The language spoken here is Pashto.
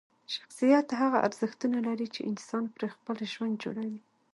شخصیت هغه ارزښتونه لري چې انسان پرې خپل ژوند جوړوي.